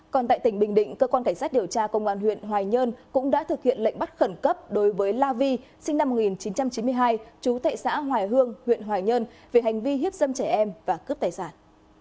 còn tại tỉnh bình định cơ quan cảnh sát điều tra công an huyện hoài nhơn cũng đã thực hiện lệnh bắt khẩn cấp đối với la vi sinh năm một nghìn chín trăm chín mươi hai chú tệ xã hoài hương huyện hoài nhơn về hành vi hiếp dâm trẻ em và cướp tài sản